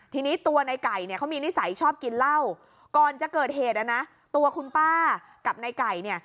ทีนี้ตัวในไก่เนี่ยเขามีนิสัยชอบกินเหล้าก่อนจะเกิดเหตุอ่ะนะตัวคุณป้ากับในไก่เนี่ย